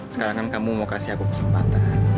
sekarang kan kamu mau kasih aku kesempatan